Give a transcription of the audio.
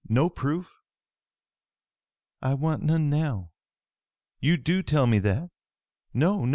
No proof?" "I want none now. You do tell me that? No, no!